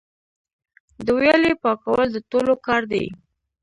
د ویالې پاکول د ټولو کار دی؟